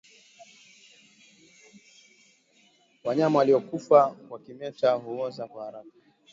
Wanyama waliokufa kwa kimeta huoza kwa haraka